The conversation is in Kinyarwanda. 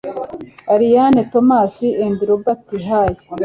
Elaine Thomas and Robert Hay